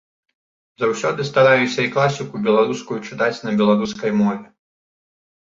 Заўсёды стараюся і класіку беларускую чытаць на беларускай мове.